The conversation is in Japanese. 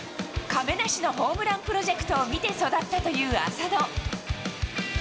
亀梨のホームランプロジェクトを見て育ったという浅野。